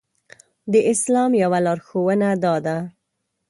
د اسلام يوه لارښوونه دا ده.